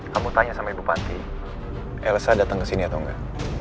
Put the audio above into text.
kamu tanya sama bupati elsa datang ke sini atau enggak